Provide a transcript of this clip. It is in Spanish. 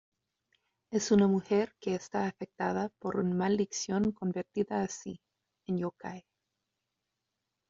Es una mujer que está afectada por una maldición convertida así, en Yōkai.